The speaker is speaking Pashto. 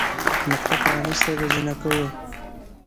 مکتب پرانیستی د جینکیو